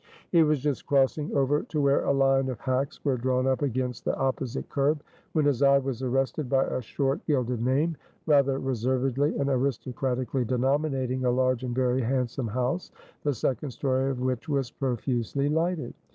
He was just crossing over to where a line of hacks were drawn up against the opposite curb, when his eye was arrested by a short, gilded name, rather reservedly and aristocratically denominating a large and very handsome house, the second story of which was profusely lighted.